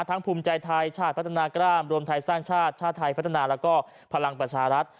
ภูมิใจไทยชาติพัฒนากล้ามรวมไทยสร้างชาติชาติไทยพัฒนาแล้วก็พลังประชารัฐ